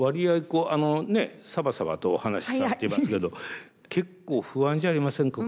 こうあのねサバサバとお話しされていますけど結構不安じゃありませんか？